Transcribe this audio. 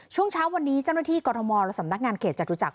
ช่วงเช้าวันนี้เจ้าหน้าที่กรทมและสำนักงานเขตจตุจักร